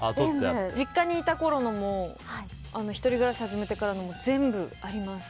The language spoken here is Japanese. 実家にいたころのも１人暮らし始めたころのも全部あります。